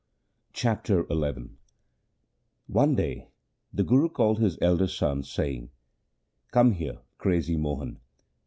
Chapter XI One day the Guru called to his elder son, saying, ' Come here, crazy Mohan.'